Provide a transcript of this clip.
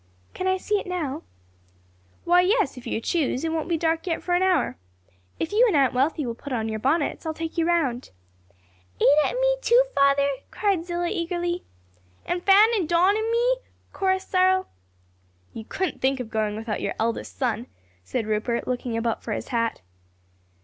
"Can I see it now?" "Why, yes, if you choose; it won't be dark yet for an hour. If you and Aunt Wealthy will put on your bonnets, I'll take you round." "Ada and me, too, father?" cried Zillah eagerly. "And Fan and Don and me?" chorused Cyril. "You couldn't think of going without your eldest son;" said Rupert, looking about for his hat.